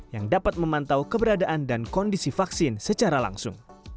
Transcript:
yang dapat memantau keberadaan dan kondisi vaksin secara langsung